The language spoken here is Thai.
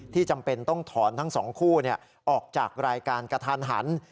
จำเป็นต้องถอนทั้งสองคู่ออกจากรายการกระทันหัน